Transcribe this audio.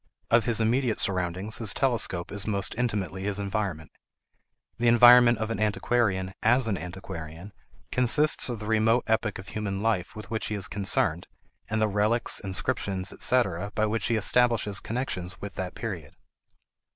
Of his immediate surroundings, his telescope is most intimately his environment. The environment of an antiquarian, as an antiquarian, consists of the remote epoch of human life with which he is concerned, and the relics, inscriptions, etc., by which he establishes connections with that period.